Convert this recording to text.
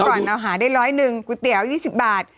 ก่อนเราหาได้ร้อยหนึ่งก๋วยเตี๋ยว๒๐บาท